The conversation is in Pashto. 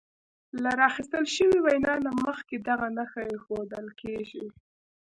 له راخیستل شوې وینا نه مخکې دغه نښه ایښودل کیږي.